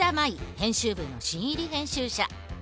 編集部の新入り編集者。